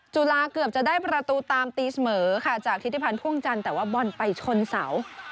จุฬาเกือบจะได้ประตูตามตีเสมอค่ะจากทิศิพันธ์พ่วงจันทร์แต่ว่าบอลไปชนเสา